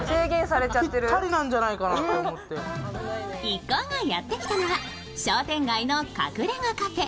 一行がやってきたのは商店街の隠れ家カフェ・ｄｒｉｐ。